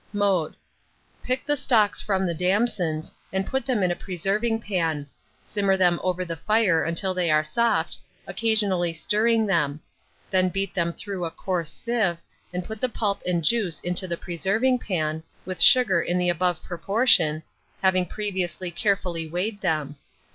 Mode. Pick the stalks from the damsons, and put them into a preserving pan; simmer them over the fire until they are soft, occasionally stirring them; then beat them through a coarse sieve, and put the pulp and juice into the preserving pan, with sugar in the above proportion, having previously carefully weighed them.